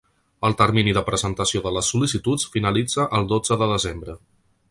El termini de presentació de les sol·licituds finalitza el dotze de desembre.